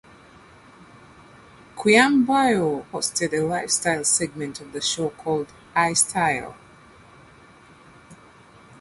Quiambao hosted a lifestyle segment of the show called "Istayl".